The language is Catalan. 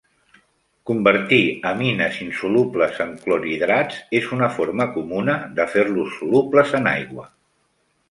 Convertir amines insolubles en clorhidrats és una forma comuna de fer-los solubles en aigua.